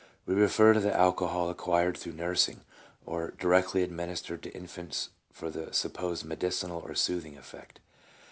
We refer to the alcohol acquired through nursing, or directly administered to infants for the supposed medicinal or soothing effect.